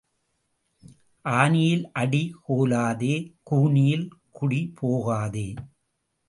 ஆனியில் அடி கோலாதே கூனியில் குடி போகாதே.